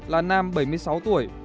là nam bảy mươi sáu tuổi